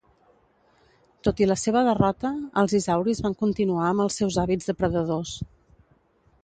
Tot i la seva derrota els isauris van continuar amb els seus hàbits depredadors.